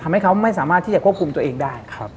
ทำให้เขาไม่สามารถที่จะควบคุมตัวเองได้